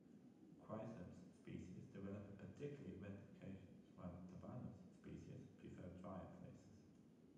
"Chrysops" species develop in particularly wet locations while "Tabanus" species prefer drier places.